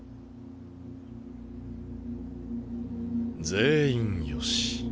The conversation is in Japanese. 全員よし。